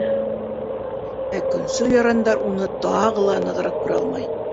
Ә көнсөл ярандар уны тағы ла нығыраҡ күрә алмай.